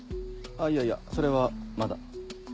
いやいやそれはまだ。